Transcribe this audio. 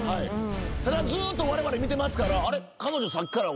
ただずーっとわれわれ見てますから。